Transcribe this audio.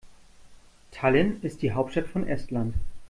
Tallinn ist die Hauptstadt von Estland.